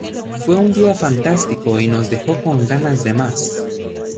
Fue un día fantástico, y nos dejó con ganas de más.